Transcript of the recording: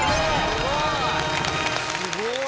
すごい。